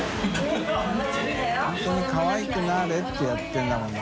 榲筿「かわいくなれ♥」ってやってるんだもんな。